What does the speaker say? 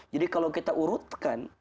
jadi kalau kita urutkan